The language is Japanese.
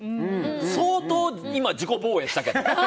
相当、今、自己防衛したけど。